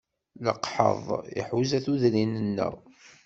Leqḥeḍ iḥuza tudrin-nneɣ.